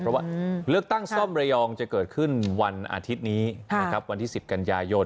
เพราะว่าเลือกตั้งซ่อมระยองจะเกิดขึ้นวันอาทิตย์นี้นะครับวันที่๑๐กันยายน